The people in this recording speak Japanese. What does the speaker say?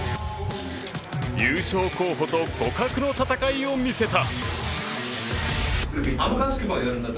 優勝候補と互角の戦いを見せた。